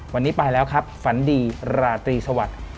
วันนี้ไปแล้วครับฝันดีราตรีสวัสดิ์